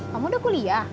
kamu udah kuliah